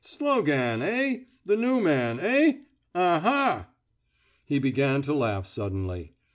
Slogan, eh? The new man, eh? Ah hah! " He began to laugh suddenly.